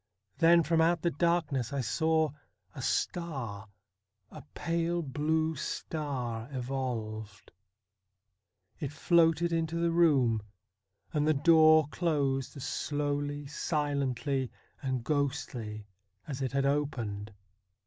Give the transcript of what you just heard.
Then, from out the darkness I saw a star — a pale blue star — evolved. It floated into the room, and the door closed as slowly, silently and ghostly as it had opened.